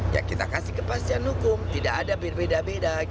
ya kita kasih kepastian hukum tidak ada berbeda beda